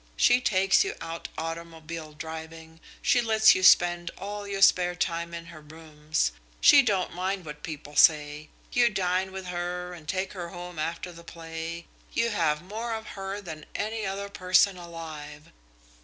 She takes you out automobile driving, she lets you spend all your spare time in her rooms. She don't mind what people say. You dine with her and take her home after the play. You have more of her than any other person alive.